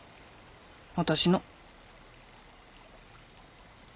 私の。